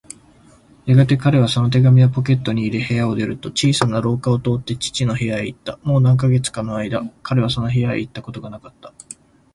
やがて彼はその手紙をポケットに入れ、部屋を出ると、小さな廊下を通って父の部屋へいった。もう何カ月かのあいだ、彼はその部屋へいったことがなかった。